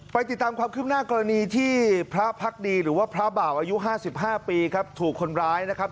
ติดตามความคืบหน้ากรณีที่พระพักดีหรือว่าพระบ่าวอายุ๕๕ปีครับถูกคนร้ายนะครับ